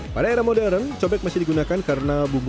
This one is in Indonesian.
pada era modern cobek masih digunakan karena bumbu